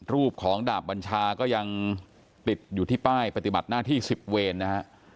รูปของดาบบัญชาก็ยังติดอยู่ที่ป้ายปฏิบัติหน้าที่๑๐เวรนะฮะ